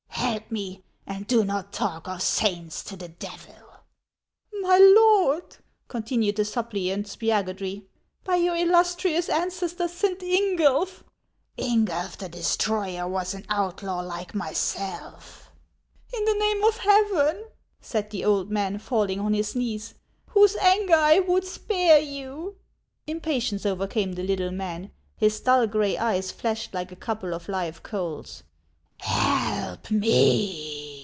" Help me, and do not talk of saints to the devil !"" My lord," continued the suppliant Spiagudry, " by your illustrious ancestor, Saint Ingulf— " Ingulf the Destroyer was an outlaw like myself." 72 HANS OF ICELAND. " In the name of Heaven," said the old man, falling on his knees, " whose anger I would spare you !" Impatience overcame the little man. His dull gray eyes Hashed like a couple of live coals. " Help me